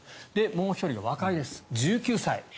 もう１人が若いです、１９歳。